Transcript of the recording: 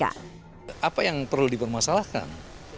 apa yang perlu dipermasalahkan